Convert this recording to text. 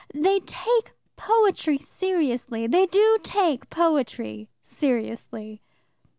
they take poetry seriously. They do take poetry seriously.